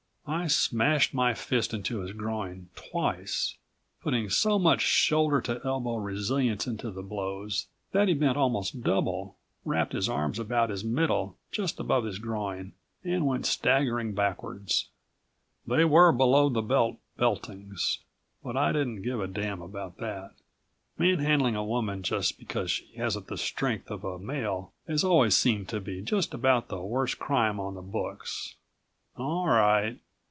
I smashed my fist into his groin twice, putting so much shoulder to elbow resilience into the blows that he bent almost double, wrapped his arms about his middle just above his groin and went staggering backwards. They were below the belt beltings, but I didn't give a damn about that. Manhandling a woman just because she hasn't the strength of a male has always seemed to be just about the worst crime on the books. All right